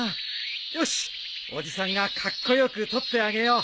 よしおじさんがカッコ良く撮ってあげよう。